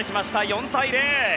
４対０。